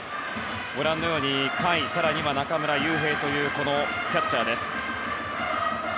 ご覧のように侍ジャパンは甲斐、更に中村悠平というキャッチャーです。